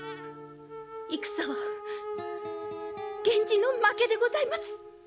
戦は源氏の負けでございます！